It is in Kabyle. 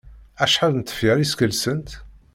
Acḥal n tefyar i skelsent?